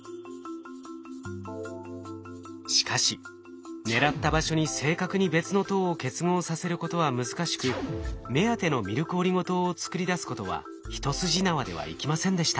しかし狙った場所に正確に別の糖を結合させることは難しく目当てのミルクオリゴ糖を作り出すことは一筋縄ではいきませんでした。